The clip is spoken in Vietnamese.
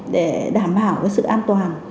để đảm bảo cái sự an toàn